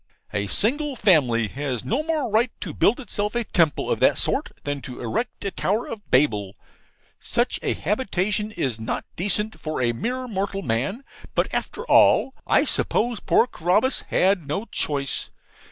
A single family has no more right to build itself a temple of that sort than to erect a Tower of Babel. Such a habitation is not decent for a mere mortal man. But, after all, I suppose poor Carabas had no choice.